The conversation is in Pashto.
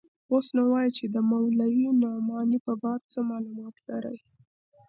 اوس نو وايه چې د مولوي نعماني په باب څه مالومات لرې.